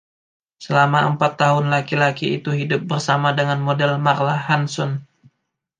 Selama empat tahun laki-laki itu hidup bersama dengan model Marla Hanson.